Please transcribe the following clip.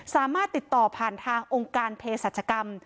สามารถติดต่อผ่านทางองค์การเพศรัชกรรม